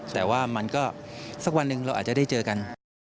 แต่ว่ามันก็สักวันหนึ่งเราอาจจะได้เจอกัน